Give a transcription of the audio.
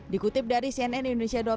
dikutip dari cnn